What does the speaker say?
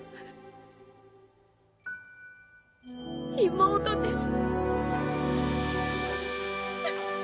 「妹です」。